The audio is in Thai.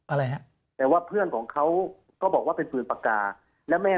อะไรฮะแต่ว่าเพื่อนของเขาก็บอกว่าเป็นปืนปากกาแล้วแม่